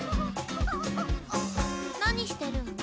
何してるん？